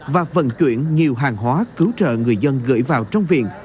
và vận chuyển nhiều hàng hóa cứu trợ người dân gửi vào trong viện